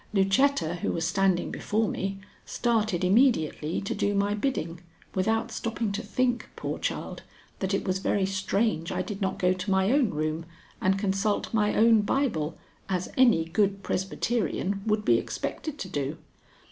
Lucetta, who was standing before me, started immediately to do my bidding, without stopping to think, poor child, that it was very strange I did not go to my own room and consult my own Bible as any good Presbyterian would be expected to do.